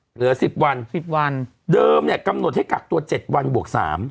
เหลือสิบวันสิบวันเดิมเนี้ยกำหนดให้กักตัวเจ็ดวันบวกสาม